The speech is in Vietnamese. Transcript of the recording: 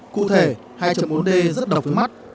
cụ thể hai bốn d rất độc với mắt